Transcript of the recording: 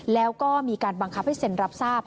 แล้วก็มีการบังคับให้เซ็นรับทราบ